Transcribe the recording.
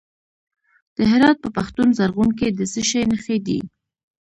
د هرات په پښتون زرغون کې د څه شي نښې دي؟